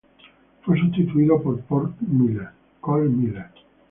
Fue sustituido por Cole Miller.